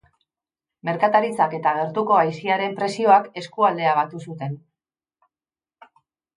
Merkataritzak eta gertuko Asiriaren presioak eskualdea batu zuten.